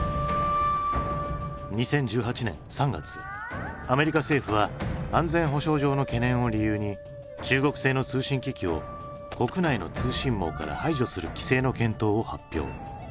２０１８年３月アメリカ政府は安全保障上の懸念を理由に中国製の通信機器を国内の通信網から排除する規制の検討を発表。